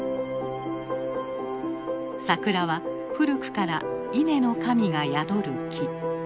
桜は古くから稲の神が宿る木。